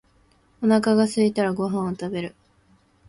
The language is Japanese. お腹がすいたらご飯を食べる。